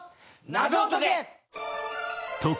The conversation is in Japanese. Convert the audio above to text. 謎を解け！